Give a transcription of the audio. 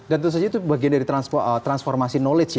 dan itu saja bagian dari transformasi knowledge ya